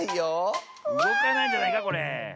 うごかないんじゃないかこれ？